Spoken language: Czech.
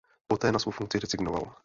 Poté na svou funkci rezignoval.